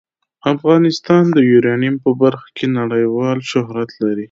افغانستان د یورانیم په برخه کې نړیوال شهرت لري.